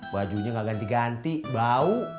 bajunya gak ganti ganti bau